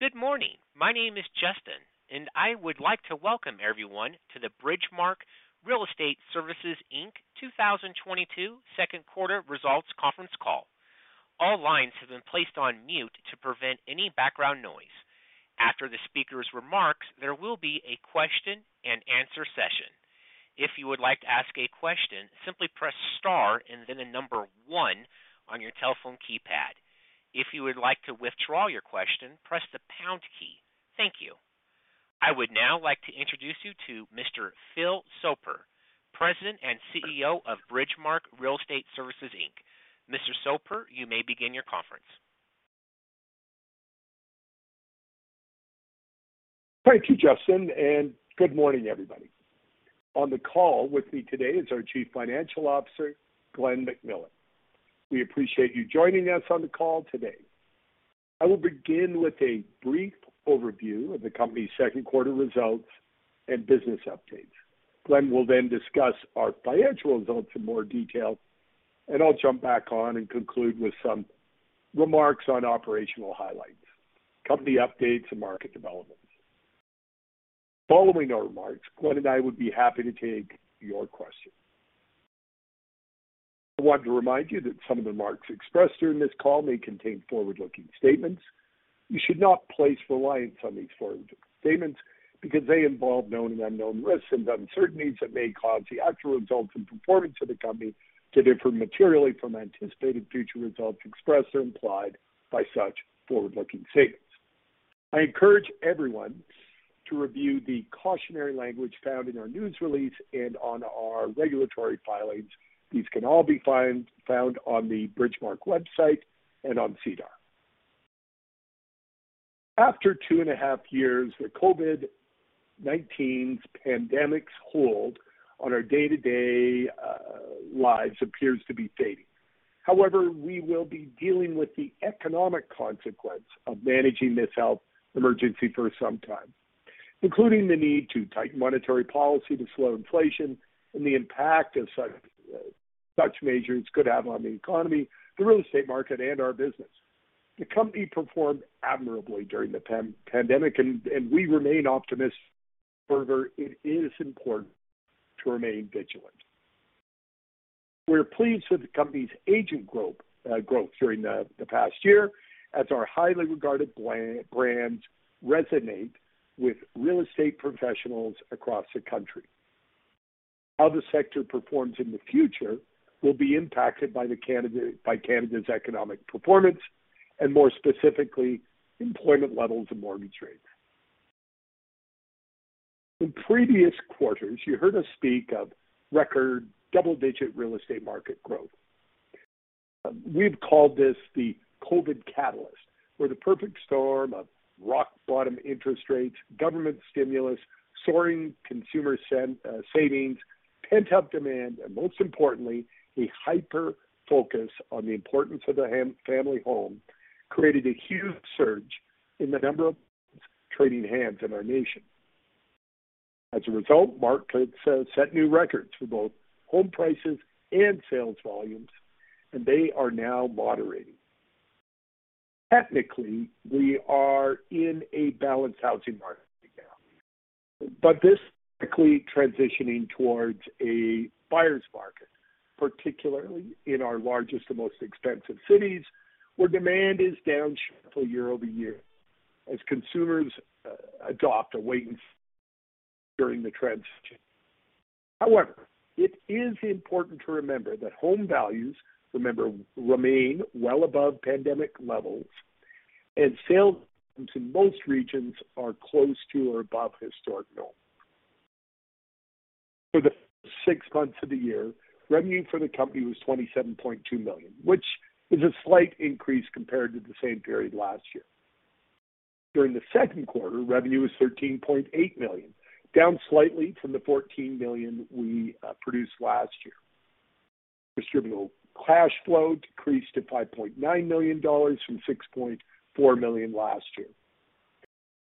Good morning. My name is Justin, and I would like to welcome everyone to the Bridgemarq Real Estate Services Inc. 2022 Second Quarter Results Conference Call. All lines have been placed on mute to prevent any background noise. After the speaker's remarks, there will be a question-and-answer session. If you would like to ask a question, simply press star and then the number one on your telephone keypad. If you would like to withdraw your question, press the pound key. Thank you. I would now like to introduce you to Mr. Phil Soper, President and CEO of Bridgemarq Real Estate Services Inc. Mr. Soper, you may begin your conference. Thank you, Justin, and good morning, everybody. On the call with me today is our Chief Financial Officer, Glen McMillan. We appreciate you joining us on the call today. I will begin with a brief overview of the company's second quarter results and business updates. Glen will then discuss our financial results in more detail, and I'll jump back on and conclude with some remarks on operational highlights, company updates, and market developments. Following our remarks, Glen and I would be happy to take your questions. I want to remind you that some of the remarks expressed during this call may contain forward-looking statements. You should not place reliance on these forward statements because they involve known and unknown risks and uncertainties that may cause the actual results and performance of the company to differ materially from anticipated future results expressed or implied by such forward-looking statements. I encourage everyone to review the cautionary language found in our news release and on our regulatory filings. These can all be found on the Bridgemarq website and on SEDAR. After 2.5 years, the COVID-19 pandemic's hold on our day-to-day lives appears to be fading. However, we will be dealing with the economic consequence of managing this health emergency for some time, including the need to tighten monetary policy to slow inflation and the impact of such measures could have on the economy, the real estate market, and our business. The company performed admirably during the pandemic, and we remain optimistic. Further, it is important to remain vigilant. We're pleased with the company's agent growth during the past year as our highly regarded brands resonate with real estate professionals across the country. How the sector performs in the future will be impacted by Canada's economic performance and more specifically, employment levels and mortgage rates. In previous quarters, you heard us speak of record double-digit real estate market growth. We've called this the COVID catalyst, where the perfect storm of rock bottom interest rates, government stimulus, soaring consumer savings, pent-up demand, and most importantly, a hyper-focus on the importance of the family home, created a huge surge in the number of homes trading hands in our nation. As a result, markets set new records for both home prices and sales volumes, and they are now moderating. Technically, we are in a balanced housing market now, but this quickly transitioning towards a buyer's market, particularly in our largest and most expensive cities, where demand is down sharply year-over-year as consumers adopt a wait and see during the transition. However, it is important to remember that home values, remember, remain well above pandemic levels and sales in most regions are close to or above historic norms. For the first six months of the year, revenue for the company was 27.2 million, which is a slight increase compared to the same period last year. During the second quarter, revenue was 13.8 million, down slightly from the 14 million we produced last year. Distributable cash flow decreased to 5.9 million dollars from 6.4 million last year.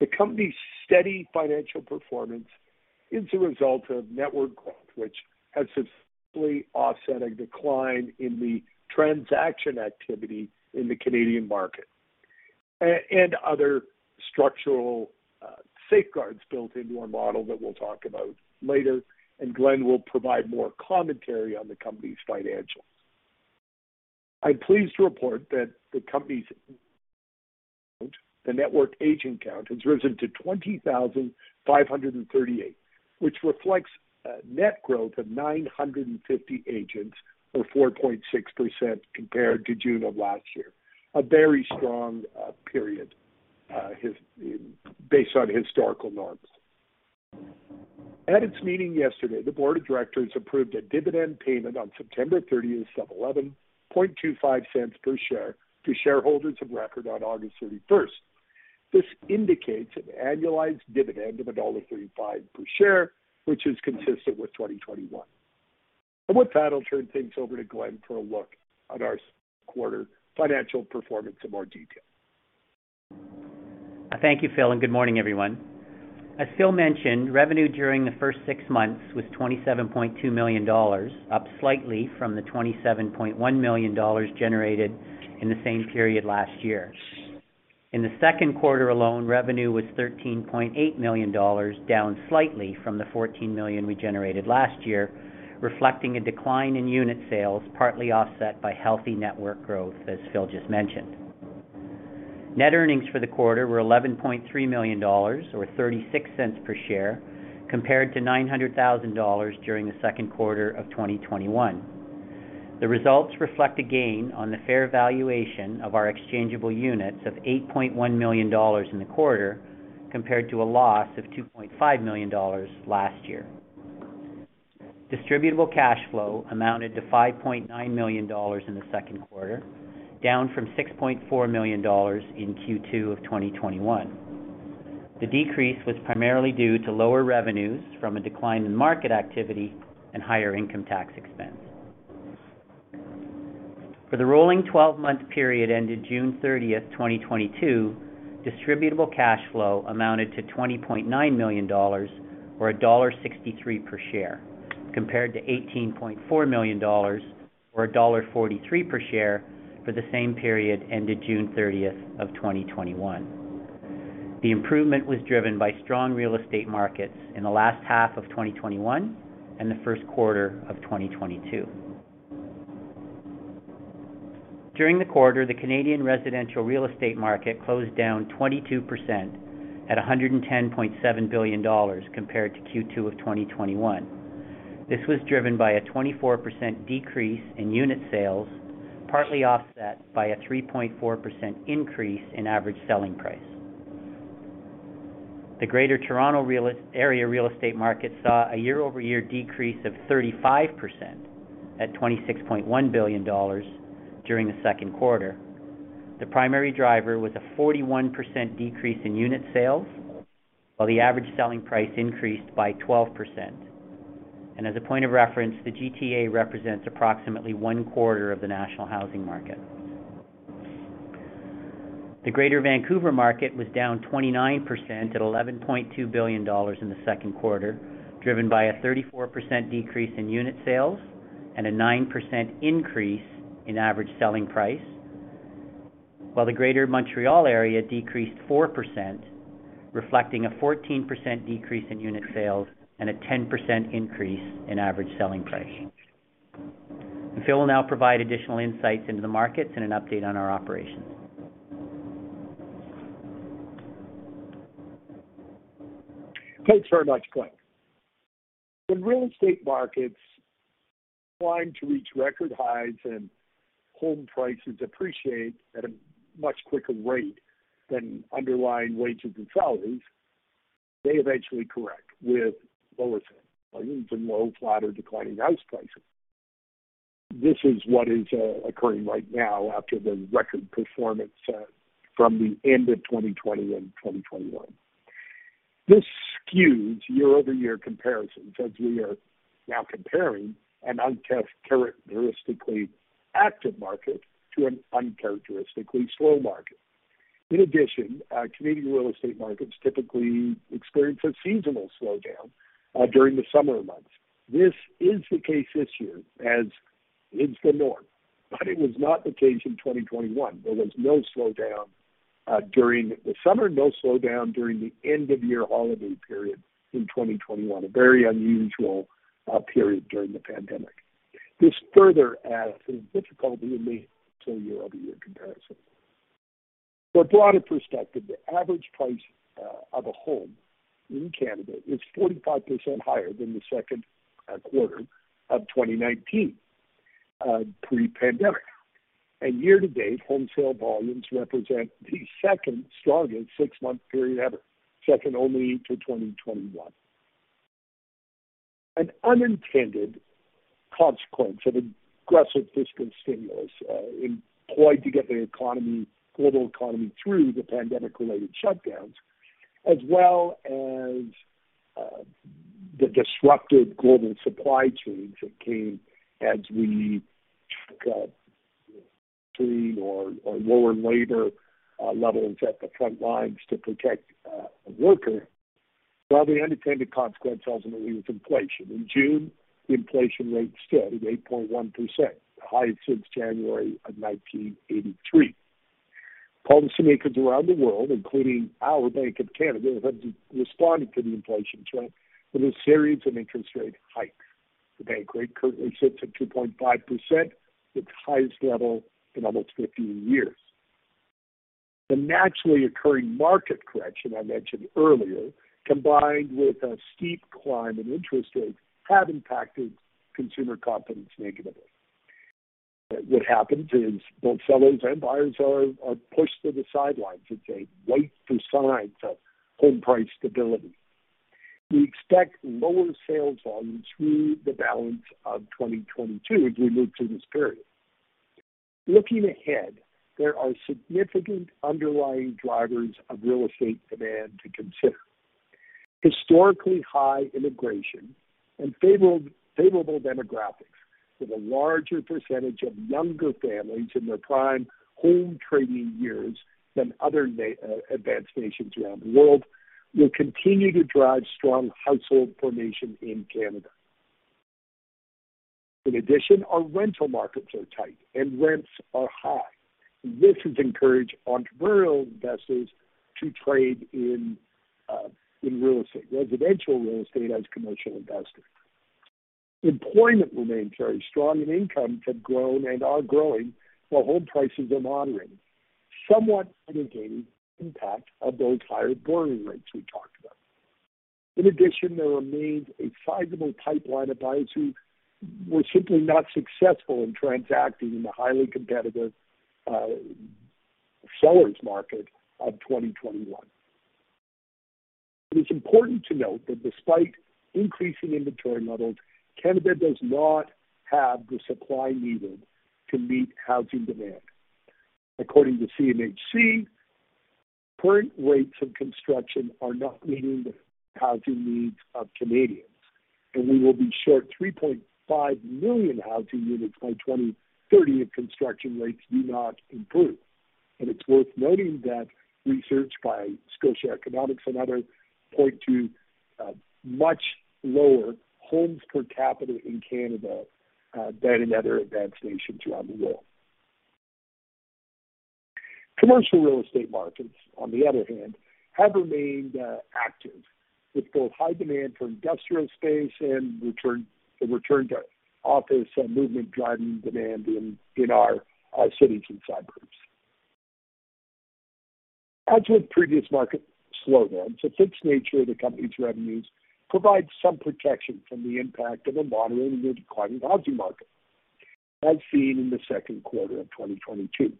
The company's steady financial performance is a result of network growth, which has successfully offset a decline in the transaction activity in the Canadian market and other structural safeguards built into our model that we'll talk about later, and Glen will provide more commentary on the company's financials. I'm pleased to report that the company's network agent count has risen to 20,538, which reflects a net growth of 950 agents or 4.6% compared to June of last year. A very strong period based on historical norms. At its meeting yesterday, the board of directors approved a dividend payment on September 30th of 0.1125 per share to shareholders of record on August 31st. This indicates an annualized dividend of dollar 1.35 per share, which is consistent with 2021. With that, I'll turn things over to Glen for a look at our second quarter financial performance in more detail. Thank you, Phil, and good morning, everyone. As Phil mentioned, revenue during the first six months was 27.2 million dollars, up slightly from the 27.1 million dollars generated in the same period last year. In the second quarter alone, revenue was 13.8 million dollars, down slightly from the 14 million we generated last year, reflecting a decline in unit sales, partly offset by healthy network growth, as Phil just mentioned. Net earnings for the quarter were 11.3 million dollars, or 0.36 per share, compared to 900,000 dollars during the second quarter of 2021. The results reflect a gain on the fair valuation of our Exchangeable Units of 8.1 million dollars in the quarter, compared to a loss of 2.5 million dollars last year. Distributable cash flow amounted to 5.9 million dollars in the second quarter, down from 6.4 million dollars in Q2 of 2021. The decrease was primarily due to lower revenues from a decline in market activity and higher income tax expense. For the rolling 12-month period ended June 30th, 2022, distributable cash flow amounted to 20.9 million dollars, or $1.63 per share, compared to 18.4 million dollars or $1.43 per share for the same period ended June 30th of 2021. The improvement was driven by strong real estate markets in the last half of 2021 and the first quarter of 2022. During the quarter, the Canadian residential real estate market closed down 22% at 110.7 billion dollars compared to Q2 of 2021. This was driven by a 24% decrease in unit sales, partly offset by a 3.4% increase in average selling price. The Greater Toronto Area real estate market saw a year-over-year decrease of 35% at 26.1 billion dollars during the second quarter. The primary driver was a 41% decrease in unit sales, while the average selling price increased by 12%. As a point of reference, the GTA represents approximately 1/4 of the national housing market. The Greater Vancouver market was down 29% at 11.2 billion dollars in the second quarter, driven by a 34% decrease in unit sales and a 9% increase in average selling price. While the Greater Montreal Area decreased 4%, reflecting a 14% decrease in unit sales and a 10% increase in average selling price. Phil will now provide additional insights into the markets and an update on our operations. Thanks very much, Glen. When real estate markets climb to reach record highs and home prices appreciate at a much quicker rate than underlying wages and salaries, they eventually correct with lower sales volumes and low, flat, or declining house prices. This is what is occurring right now after the record performance from the end of 2020 and 2021. This skews year-over-year comparisons as we are now comparing an uncharacteristically active market to an uncharacteristically slow market. In addition, Canadian real estate markets typically experience a seasonal slowdown during the summer months. This is the case this year, as is the norm, but it was not the case in 2021. There was no slowdown during the summer, no slowdown during the end-of-year holiday period in 2021, a very unusual period during the pandemic. This further adds to the difficulty in the year-over-year comparison. For a broader perspective, the average price of a home in Canada is 45% higher than the second quarter of 2019, pre-pandemic. Year-to-date, home sale volumes represent the second strongest six-month period ever, second only to 2021. An unintended consequence of aggressive fiscal stimulus employed to get the economy, global economy through the pandemic-related shutdowns, as well as the disrupted global supply chains that came as we cut back or lower labor levels at the front lines to protect workers. Well, the unintended consequence ultimately was inflation. In June, the inflation rate stood at 8.1%, the highest since January of 1983. Policymakers around the world, including our Bank of Canada, have responded to the inflation trend with a series of interest rate hikes. The bank rate currently sits at 2.5%, its highest level in almost 15 years. The naturally occurring market correction I mentioned earlier, combined with a steep climb in interest rates, have impacted consumer confidence negatively. What happens is both sellers and buyers are pushed to the sidelines as they wait for signs of home price stability. We expect lower sales volumes through the balance of 2022 as we move through this period. Looking ahead, there are significant underlying drivers of real estate demand to consider. Historically high immigration and favorable demographics with a larger percentage of younger families in their prime home trading years than other advanced nations around the world will continue to drive strong household formation in Canada. In addition, our rental markets are tight and rents are high. This has encouraged entrepreneurial investors to trade in real estate, residential real estate as commercial investors. Employment remains very strong and incomes have grown and are growing while home prices are moderating, somewhat mitigating the impact of those higher borrowing rates we talked about. In addition, there remains a sizable pipeline of buyers who were simply not successful in transacting in the highly competitive seller's market of 2021. It is important to note that despite increasing inventory levels, Canada does not have the supply needed to meet housing demand. According to CMHC, current rates of construction are not meeting the housing needs of Canadians, and we will be short 3.5 million housing units by 2030 if construction rates do not improve. It's worth noting that research by Scotia Economics and others point to much lower homes per capita in Canada than in other advanced nations around the world. Commercial real estate markets, on the other hand, have remained active, with both high demand for industrial space and the return to office movement driving demand in our cities and suburbs. As with previous market slowdowns, the fixed nature of the company's revenues provides some protection from the impact of a moderating or declining housing market, as seen in the second quarter of 2022.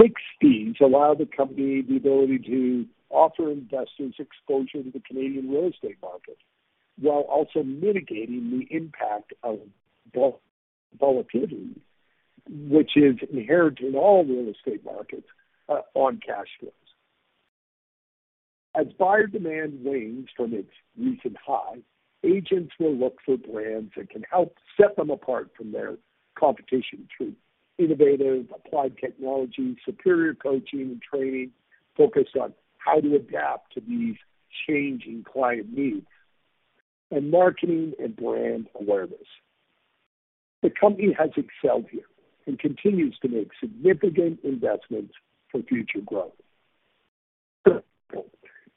Fixed fees allow the company the ability to offer investors exposure to the Canadian real estate market while also mitigating the impact of volatility, which is inherent in all real estate markets, on cash flows. As buyer demand wanes from its recent high, agents will look for brands that can help set them apart from their competition through innovative applied technology, superior coaching and training focused on how to adapt to these changing client needs, and marketing and brand awareness. The company has excelled here and continues to make significant investments for future growth.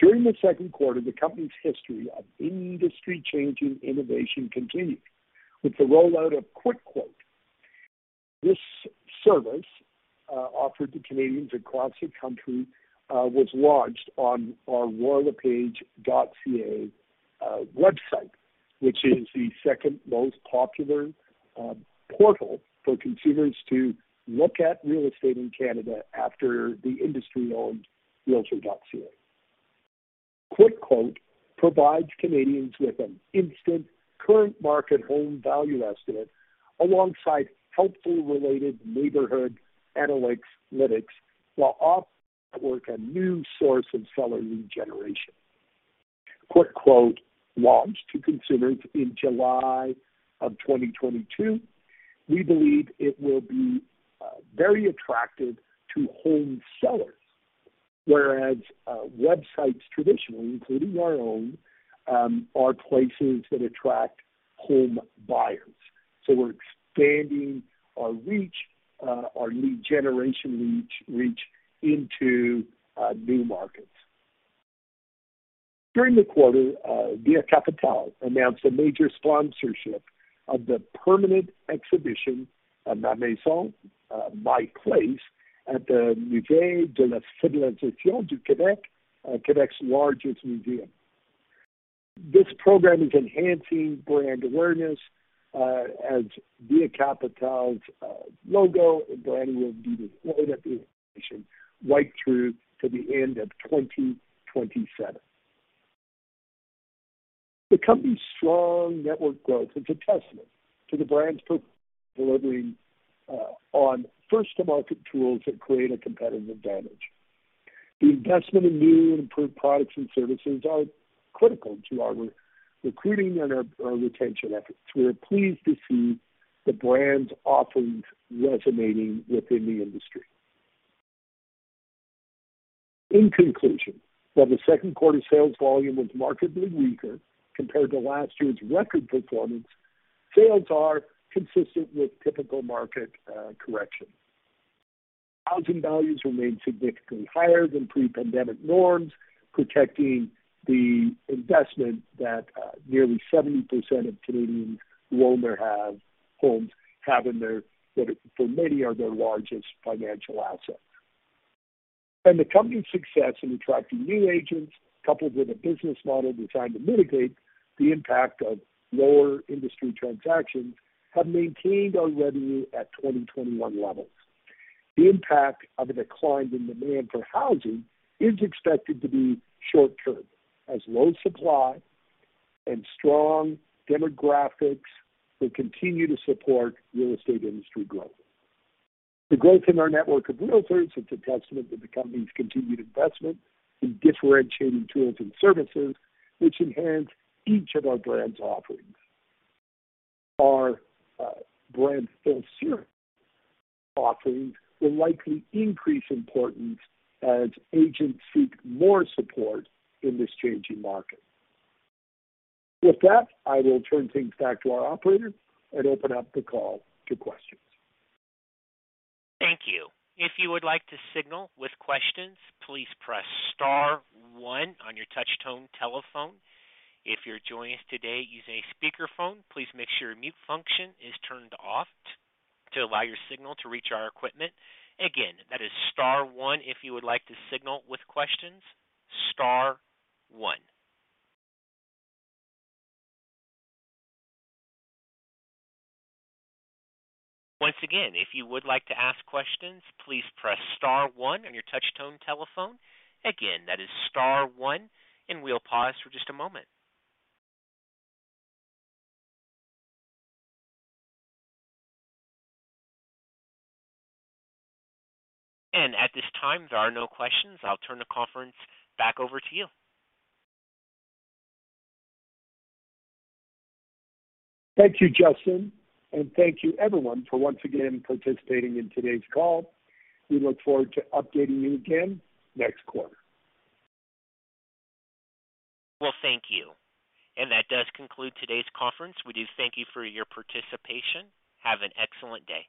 During the second quarter, the company's history of industry-changing innovation continued with the rollout of QuickQuote. This service, offered to Canadians across the country, was launched on our royallepage.ca website, which is the second most popular portal for consumers to look at real estate in Canada after the industry-owned REALTOR.ca. QuickQuote provides Canadians with an instant current market home value estimate alongside helpful related neighborhood analytics while offering the network a new source of seller lead generation. QuickQuote launched to consumers in July of 2022. We believe it will be very attractive to home sellers, whereas websites traditionally, including our own, are places that attract home buyers. We're expanding our reach, our lead generation reach into new markets. During the quarter, Via Capitale announced a major sponsorship of the permanent exhibition of Ma maison, My Place at the Musée de la civilisation du Québec's largest museum. This program is enhancing brand awareness, as Via Capitale's logo and branding will be displayed at the exhibition right through to the end of 2027. The company's strong network growth is a testament to the brand's delivering on first-to-market tools that create a competitive advantage. The investment in new and improved products and services are critical to our recruiting and our retention efforts. We are pleased to see the brand's offerings resonating within the industry. In conclusion, while the second quarter sales volume was markedly weaker compared to last year's record performance, sales are consistent with typical market correction. Housing values remain significantly higher than pre-pandemic norms, protecting the investment that nearly 70% of Canadian homeowners have in their homes, that for many are their largest financial asset. The company's success in attracting new agents, coupled with a business model designed to mitigate the impact of lower industry transactions, have maintained our revenue at 2021 levels. The impact of a decline in demand for housing is expected to be short-term as low supply and strong demographics will continue to support real estate industry growth. The growth in our network of realtors is a testament to the company's continued investment in differentiating tools and services which enhance each of our brands' offerings. Our brand full-service offerings will likely increase importance as agents seek more support in this changing market. With that, I will turn things back to our operator and open up the call to questions. Thank you. If you would like to signal with questions, please press star one on your touch tone telephone. If you're joining us today using a speakerphone, please make sure your mute function is turned off to allow your signal to reach our equipment. Again, that is star one if you would like to signal with questions, star one. Once again, if you would like to ask questions, please press star one on your touch tone telephone. Again, that is star one, and we'll pause for just a moment. At this time, there are no questions. I'll turn the conference back over to you. Thank you, Justin. Thank you everyone for once again participating in today's call. We look forward to updating you again next quarter. Well, thank you. That does conclude today's conference. We do thank you for your participation. Have an excellent day.